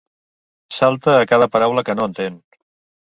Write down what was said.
Salta a cada paraula que no entén.